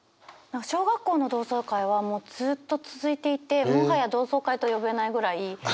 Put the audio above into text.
小学校の同窓会はもうずっと続いていてもはや同窓会と呼べないぐらいしょっちゅう集まっちゃってる。